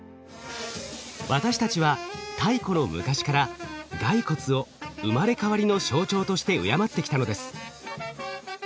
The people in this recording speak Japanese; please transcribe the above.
私たちは太古の昔から骸骨を「生まれ変わり」の象徴として敬ってきたのです。